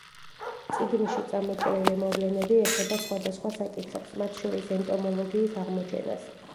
წიგნში წამოჭრილი მოვლენები ეხება სხვადასხვა საკითხებს, მათ შორის ენტომოლოგიის აღმოჩენას.